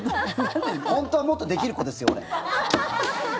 本当はもっとできる子ですよ、俺。